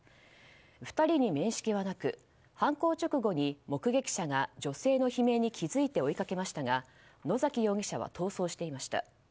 ２人に面識はなく犯行直後に目撃者が女性の悲鳴に気づいて追いかけましたが野崎容疑者は逃走していました。